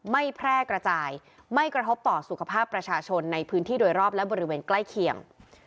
แพร่กระจายไม่กระทบต่อสุขภาพประชาชนในพื้นที่โดยรอบและบริเวณใกล้เคียง